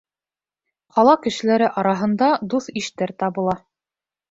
Ҡала кешеләре араһында дуҫ-иштәр табыла.